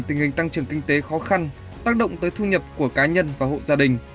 tình hình tăng trưởng kinh tế khó khăn tác động tới thu nhập của cá nhân và hộ gia đình